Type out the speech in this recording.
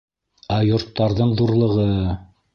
Ә йорттарҙың ҙурлығы!